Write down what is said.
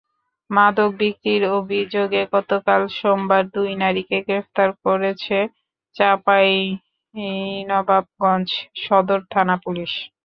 মাদক বিক্রির অভিযোগে গতকাল সোমবার দুই নারীকে গ্রেপ্তার করেছে চাঁপাইনবাবগঞ্জ সদর থানা-পুলিশ।